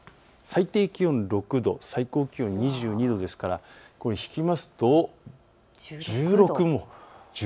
最低気温６度、最高気温２２度ですから引きますと１６度。